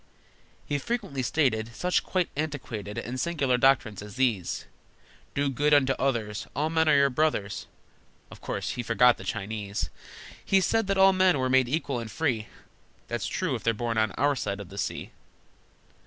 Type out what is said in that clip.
He frequently stated Such quite antiquated And singular doctrines as these: "Do good unto others! All men are your brothers!" (Of course he forgot the Chinese!) He said that all men were made equal and free, (That's true if they're born on our side of the sea!)